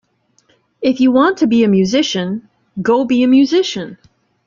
If you want to be a musician, go be a musician.